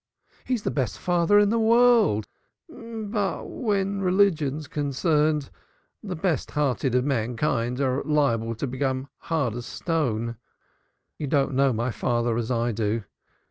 He's the best father in the world but when religion's concerned, the best hearted of mankind are liable to become hard as stone. You don't know my father as I do.